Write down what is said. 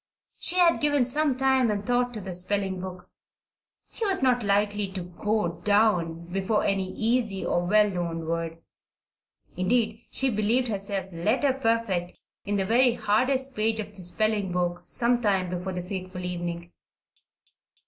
She had given some time and thought to the spelling book. She was not likely to "go down" before any easy, or well known word. Indeed, she believed herself letter perfect in the very hardest page of the spelling book some time before the fateful evening.